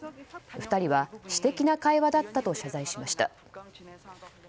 ２人は私的な会話だったと謝罪しました。